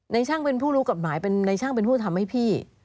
ในช่างเป็นผู้รู้กฎหมายเป็นในช่างเป็นผู้ทำให้พี่